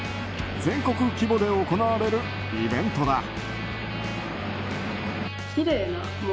全国規模で行われるイベントだ。